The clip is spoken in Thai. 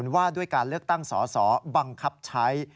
ว่าด้วยการเลือกตั้งสอสอบังคับใช้